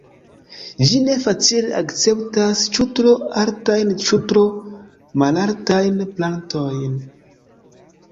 Ĝi ne facile akceptas ĉu tro altajn ĉu tro malaltajn plantojn.